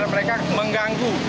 dan mereka mengganggu